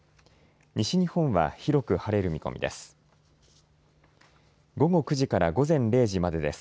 西日本は広く晴れる見込みです。